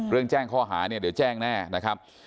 เรื่องแจ้งข้อหาเดี๋ยวแจ้งแน่นะครับ